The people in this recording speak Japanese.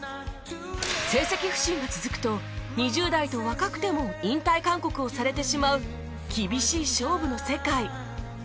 成績不振が続くと２０代と若くても引退勧告をされてしまう厳しい勝負の世界